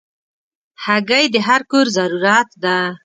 هګۍ د هر کور ضرورت ده.